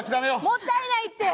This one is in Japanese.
もったいないって！